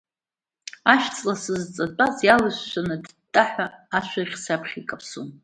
Ашәҵла сызҵатәаз иалышәшәаны аттаҳәа ашәаӷь саԥхьа икаԥсон.